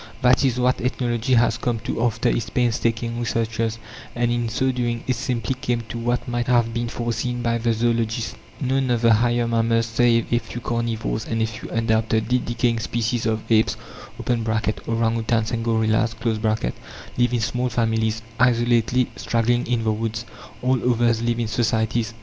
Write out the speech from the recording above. That is what ethnology has come to after its painstaking researches. And in so doing it simply came to what might have been foreseen by the zoologist. None of the higher mammals, save a few carnivores and a few undoubtedly decaying species of apes (orang outans and gorillas), live in small families, isolatedly straggling in the woods. All others live in societies.